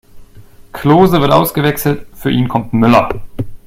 Klose wird ausgewechselt, für ihn kommt Müller.